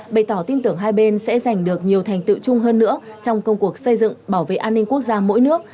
bày tỏ tin tưởng hai bên sẽ giành được nhiều thành tựu chung hơn nữa trong công cuộc xây dựng bảo vệ an ninh quốc gia mỗi nước